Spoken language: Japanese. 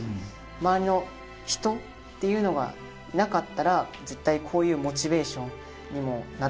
周りの人っていうのがいなかったら絶対こういうモチベーションにもなっていないですし。